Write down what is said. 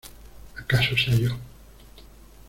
¡ acaso sea yo!...